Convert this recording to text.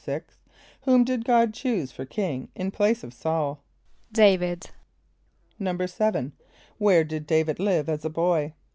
= Whom did God choose for king in place of S[a:]ul? =D[=a]´vid.= =7.= Where did D[=a]´vid live as a boy?